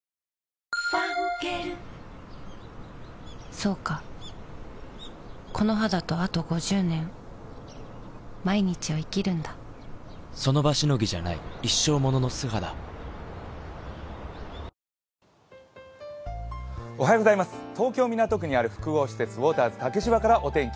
そうかこの肌とあと５０年その場しのぎじゃない一生ものの素肌東京・港区にある複合施設、ウォーターズ竹芝からお天気